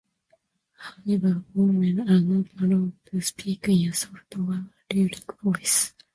However, women are not allowed to speak in a soft or alluring voice.